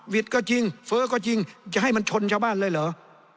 ก็จริงเฟ้อก็จริงจะให้มันชนชาวบ้านเลยเหรอ